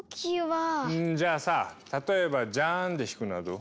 んじゃあさ例えばジャーンで弾くのはどう？